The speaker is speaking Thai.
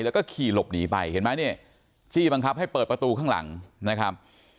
แล้วก็ขี่หลบหนีไปเห็นไหมเนี่ยจี้บังคับให้เปิดประตูข้างหลังนะครับ